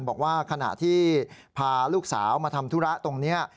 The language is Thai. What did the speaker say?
บอกว่าขณะที่พาลูกสาวมาทำธุระตรงนี้